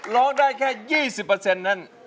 ร้องได้แค่๒๐นั้น